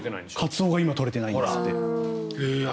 カツオが今、取れてないんですって。